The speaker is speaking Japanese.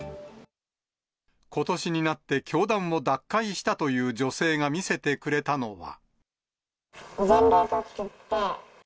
ことしになって教団を脱会したという女性が見せてくれたのは。